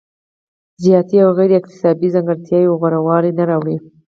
ذاتي او غیر اکتسابي ځانګړتیاوې غوره والی نه راوړي.